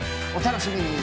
お楽しみに。